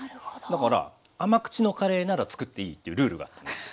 だから甘口のカレーなら作っていいっていうルールがあったんです。